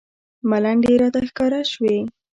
ملنډې راته ښکاره شوې.